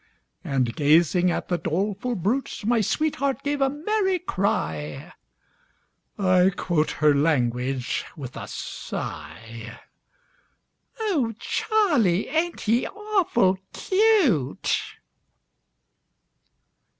And gazing at the doleful brute My sweetheart gave a merry cry I quote her language with a sigh "O Charlie, ain't he awful cute?"